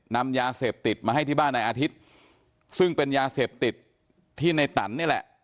นำยาเสพติดมาให้ที่บ้านในอาทิตย์ซึ่งเป็นยาเสพติดที่ในตันนี่แหละ